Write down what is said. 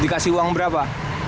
dikasih uang berapa